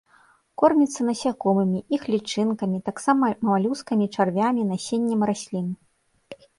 Корміцца насякомымі, іх лічынкамі, таксама малюскамі, чарвямі, насеннем раслін.